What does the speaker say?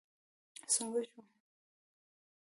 څنګه شو.